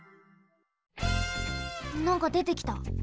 なんかでてきた。